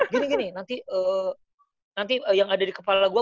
gini gini nanti yang ada di kepala gue